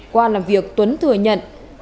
qua làm việc tuấn thừa nhận